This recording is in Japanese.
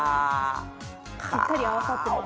ぴったり合わさっています。